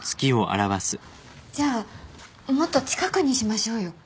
じゃあもっと近くにしましょうよ。